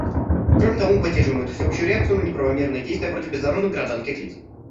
Кроме того, мы поддерживаем эту всеобщую реакцию на неправомерные действия против безоружных гражданских лиц.